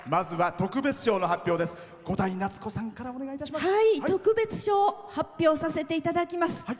特別賞を発表させていただきます。